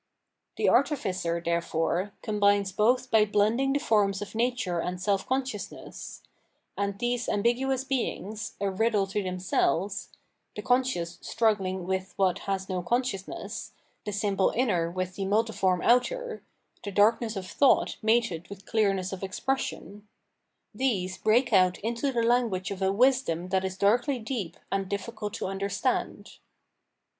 The artificer, therefore, combines both by blending the forms of nature and self consciousness ; and these ambiguous beings, a riddle to themselves — the conscious struggling with what has no consciousness, the simple inner with the multiform outer, the darkness of thought mated with clearness of expression — ^these break out into the language of a wisdom that is darkly deep and difficult to understand.